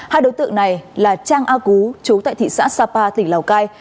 hai đối tượng này là trang a cú chú tại thị xã sapa tỉnh lào cai